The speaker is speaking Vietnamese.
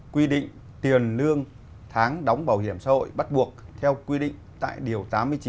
quy định tiền lương tháng đóng bảo hiểm xã hội bắt buộc theo quy định tại điều tám mươi chín